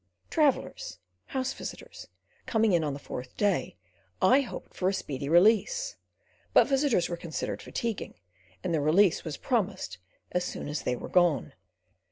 Travellers—house visitors—coming in on the fourth day, I hoped for a speedy release, but visitors were considered fatiguing, and release was promised as soon as they were gone.